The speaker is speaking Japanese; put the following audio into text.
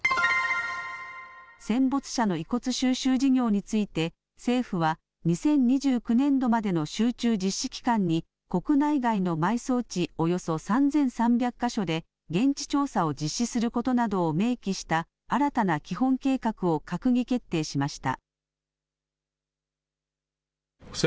戦没者の遺骨収集事業について政府は２０２９年度までの集中実施期間に国内外の埋葬地およそ３３００か所で現地調査を実施することなどを明記した新たな基本計画を閣議決定しました。